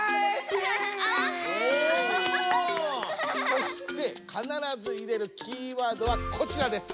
そしてかならず入れるキーワードはこちらです。